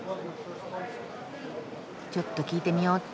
ちょっと聞いてみよっと。